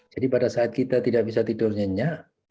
jadi pada saat kita tidak bisa tidur nyenyak